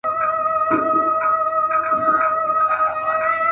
له خلکو تمه مه لره چې عزت دې زیات شي.